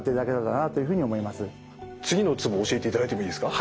次のツボ教えていただいてもいいですか？